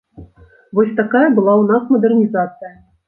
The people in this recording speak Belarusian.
Вось такая была ў нас мадэрнізацыя.